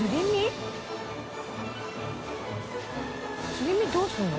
すり身どうするの？